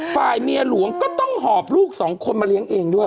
ฝ่ายเมียหลวงก็ต้องหอบลูกสองคนมาเลี้ยงเองด้วย